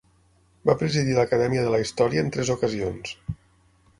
Va presidir l'Acadèmia de la Història en tres ocasions.